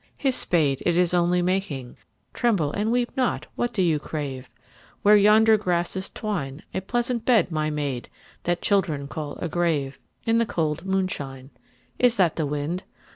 His spade, it Is only making, — (Tremble and weep not I What do you crave ?) Where yonder grasses twine, A pleasant bed, my maid, that Children call a grave, In the cold moonshine. Is that the wind